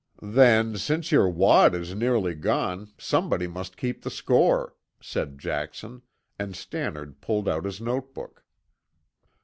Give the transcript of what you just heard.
"Then, since your wad is nearly gone, somebody must keep the score," said Jackson, and Stannard pulled out his note book.